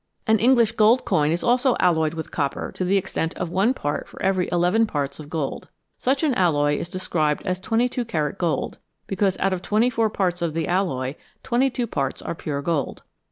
An English gold coin is also alloyed with copper to the extent of 1 part for every 11 parts of gold. Such an alloy is described as 22 carat gold, because out of 24 parts of the alloy, 22 parts are pure gold.